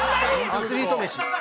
◆アスリート飯。